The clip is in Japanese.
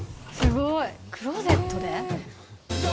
すごいクローゼットで？